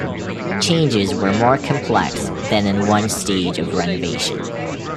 Changes were more complex than in one stage of renovation.